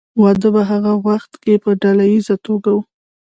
واده په هغه وخت کې په ډله ایزه توګه و.